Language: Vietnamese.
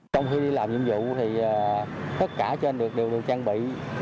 trong khi đi làm nhiệm vụ thì tất cả trên đều được trang bị